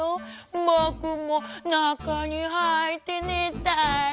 ぼくもなかにはいってねたいなあ」。